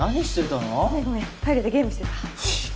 トイレでゲームしてた。